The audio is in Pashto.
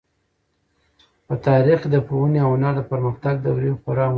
په تاریخ کې د پوهنې او هنر د پرمختګ دورې خورا مهمې دي.